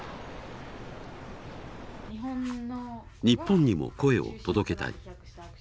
日本にも声を届けたい。